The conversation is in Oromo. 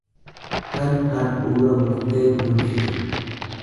kan handhuura murtee gudunfitu.